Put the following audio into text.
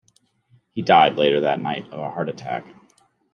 He died later that night of a heart attack.